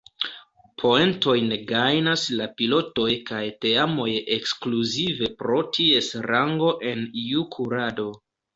Poentojn gajnas la pilotoj kaj teamoj ekskluzive pro ties rango en iu kurado.